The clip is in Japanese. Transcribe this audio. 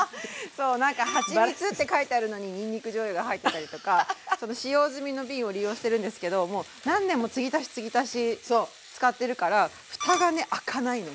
そうなんかはちみつって書いてあるのににんにくじょうゆが入ってたりとか使用済みの瓶を利用してるんですけどもう何年も継ぎ足し継ぎ足し使ってるからフタがね開かないの。